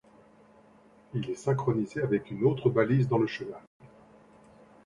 Il est synchronisé avec une autre balise dans le chenal.